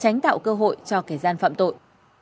tránh tạo cơ hội cho kẻ gian phạm tội